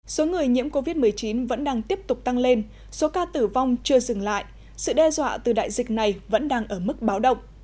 số người nhiễm covid một mươi chín vẫn đang tiếp tục tăng lên số ca tử vong chưa dừng lại sự đe dọa từ đại dịch này vẫn đang ở mức báo động